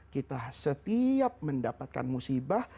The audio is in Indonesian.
kita setiap mendapatkan musibah